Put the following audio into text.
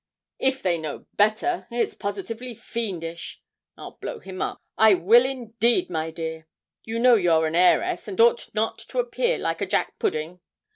If they know better, it's positively fiendish. I'll blow him up I will indeed, my dear. You know you're an heiress, and ought not to appear like a jack pudding.'